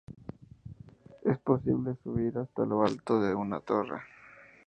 Es posible subir hasta lo alto de la torre.